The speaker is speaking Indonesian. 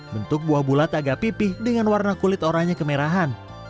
bentuk buah bulat agak pipih dengan warna kulit oranya kemerahan